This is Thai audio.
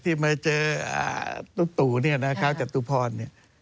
ที่มาเจอตุ๋นี่คราวจัดตุพร